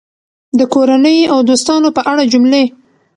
د کورنۍ او دوستانو په اړه جملې